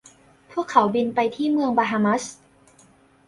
พวกเขาบินไปที่เมืองบาฮามัส